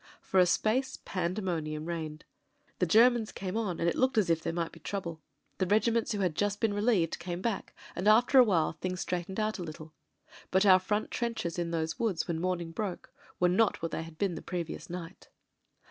For a space pandemonium reigned. The Germans came on, and it looked as if there might be trouble. The regiments who had just been relieved BLACK, WHITE, AND— GREY 281 came back, and after a while things straightened out a little. But our front trenches in those woods, when morning broke, were not where they had been the previous night.